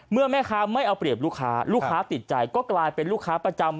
แม่ค้าไม่เอาเปรียบลูกค้าลูกค้าติดใจก็กลายเป็นลูกค้าประจำ